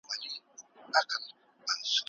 لا څو زیاتي چي ښې ساندي یې ویلي